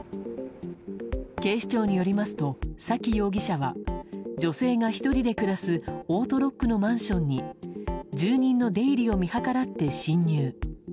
警視庁によりますと崎容疑者は女性が１人で暮らすオートロックのマンションに住人の出入りを見計らって侵入。